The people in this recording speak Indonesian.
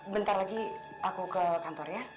bentar lagi aku ke kantor ya